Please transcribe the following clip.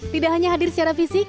tidak hanya hadir secara fisik